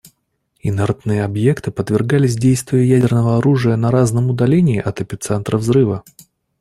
Инертные объекты подвергались действию ядерного оружия на разном удалении от эпицентра взрыва.